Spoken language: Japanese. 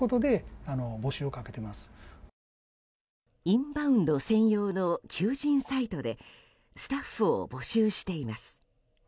インバウンド専用の求人サイトでスタッフを募集しています。